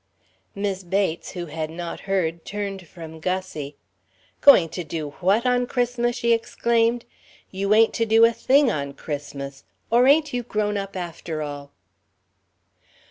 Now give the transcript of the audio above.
Mis' Bates, who had not heard, turned from Gussie. "Going to do what on Christmas?" she exclaimed. "You ain't to do a thing on Christmas. Or ain't you grown up, after all?"